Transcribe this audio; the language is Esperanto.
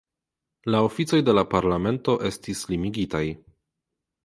La oficoj de la parlamento estis limigitaj.